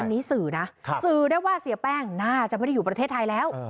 อันนี้สื่อนะสื่อได้ว่าเสียแป้งน่าจะไม่ได้อยู่ประเทศไทยแล้ว